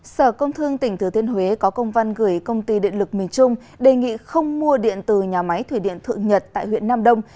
sở công thương tỉnh thừa thiên huế có công văn gửi công ty điện lực miền trung đề nghị không mua điện từ nhà máy thủy điện thượng nhật tại huyện nam đông